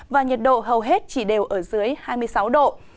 và nhiệt độ hầu hết chỉ đều ở dưới hai mươi sáu độ